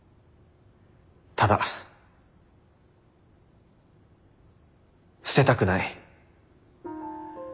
ただ捨てたくない。